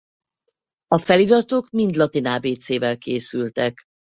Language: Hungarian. A feliratok mind a latin ábécével készültek.